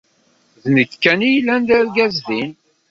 D nekk kan ay yellan d argaz din.